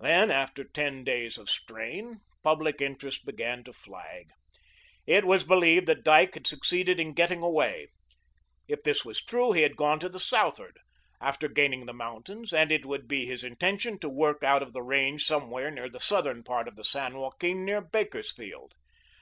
Then, after ten days of strain, public interest began to flag. It was believed that Dyke had succeeded in getting away. If this was true, he had gone to the southward, after gaining the mountains, and it would be his intention to work out of the range somewhere near the southern part of the San Joaquin, near Bakersfield.